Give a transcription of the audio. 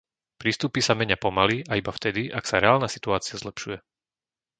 Prístupy sa menia pomaly a iba vtedy, ak sa reálna situácia zlepšuje.